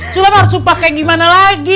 sulam harus sumpah kayak gimana lagi